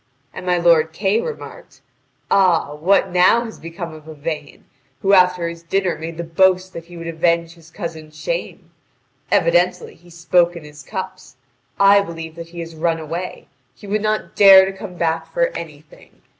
And my lord Kay remarked: "Ah, what now has become of Yvain, who after his dinner made the boast that he would avenge his cousin's shame? Evidently he spoke in his cups. I believe that he has run away. He would not dare to come back for anything.